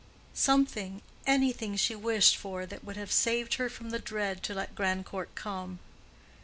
Something, anything she wished for that would have saved her from the dread to let Grandcourt come.